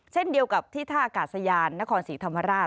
เช่นเดียวกับที่ท่าอากาศยานนครศรีธรรมราช